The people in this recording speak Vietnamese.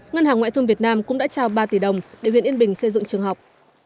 ngân hàng ngoại thương việt nam cũng đã trao ba tỷ đồng để huyện yên bình xây dựng trường học